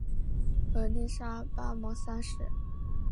曷利沙跋摩三世。